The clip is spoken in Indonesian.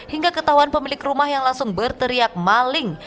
hingga ketahuan pemilik rumah yang langsung berteriak maling